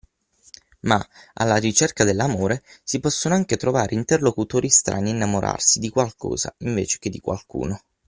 Ma, alla ricerca dell’amore, si possono anche trovare interlocutori strani e innamorarsi di qualcosa, invece che di qualcuno.